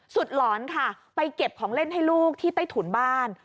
หลอนค่ะไปเก็บของเล่นให้ลูกที่ใต้ถุนบ้าน